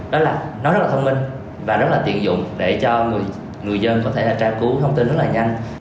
đó là nó rất là thông minh và rất là tiện dụng để cho người dân có thể tra cứu thông tin rất là nhanh